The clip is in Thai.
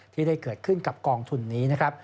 ที่ได้เกิดขึ้นกับกองทุนนี้นะครับ